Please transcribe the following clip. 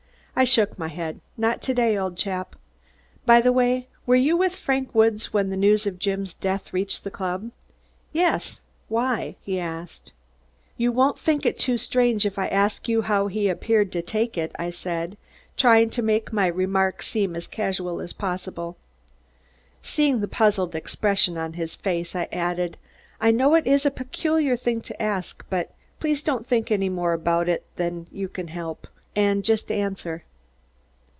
I shook my head. "Not to day, old chap. By the way, were you with Frank Woods when the news of Jim's death reached the club?" "Yes why?" he asked. "You won't think it too strange if I ask you how he appeared to take it?" I said, trying to make my remark seem as casual as possible. Seeing the puzzled expression on his face, I added: "I know it is a peculiar thing to ask, but please don't think any more about it than you can help, and just answer."